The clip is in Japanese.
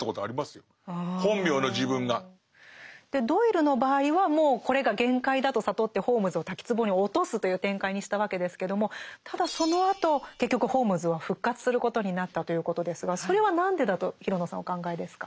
ドイルの場合はもうこれが限界だと悟ってホームズを滝つぼに落とすという展開にしたわけですけどもただそのあと結局ホームズは復活することになったということですがそれは何でだと廣野さんはお考えですか？